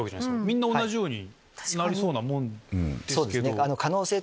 みんな同じようになりそうなもんですけど。